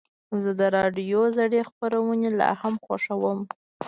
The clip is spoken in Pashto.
زه د راډیو زړې خپرونې لا هم خوښوم.